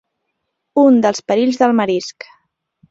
Un dels perills del marisc.